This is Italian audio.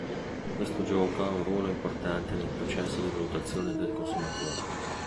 Questo gioca un ruolo importante nel processo di valutazione del consumatore.